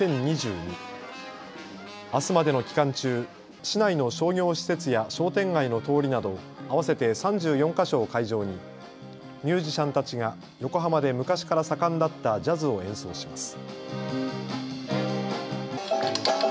あすまでの期間中、市内の商業施設や商店街の通りなど合わせて３４か所を会場にミュージシャンたちが横浜で昔から盛んだったジャズを演奏します。